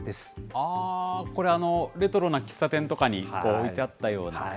あー、これ、レトロな喫茶店とかに置いてあったような。